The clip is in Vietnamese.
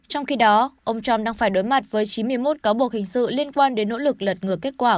trong khi đó ông trump đang phải đối mặt với chín mươi một cáo buộc hình sự liên quan đến nỗ lực lật ngược kết quả